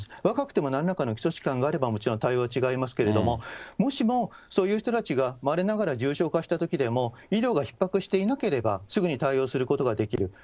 若くてもなんらかの基礎疾患があれば、もちろん対応は違いますけれども、もしもそういう人たちがまれながら重症化したときでも、医療がひっ迫していなければすぐに対応することができる。